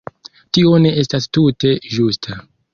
Tio ne estas tute ĝusta.